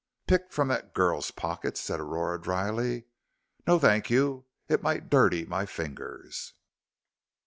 "Picked from that girl's pockets," said Aurora, dryly, "no, thank you. It might dirty my fingers.